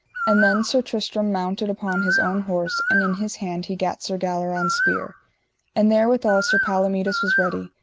And then Sir Tristram mounted upon his own horse, and in his hand he gat Sir Galleron's spear; and therewithal Sir Palomides was ready.